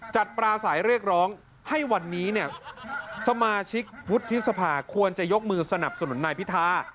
จัดปราสายเรียกร้องให้วันนี้สมาชิกพุทธฤษภาควรจะยกมือสนับสนุนในพิทธา